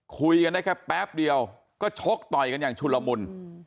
คุยกันได้แค่แป๊บเดียวก็ชกต่อยกันอย่างชุลมุน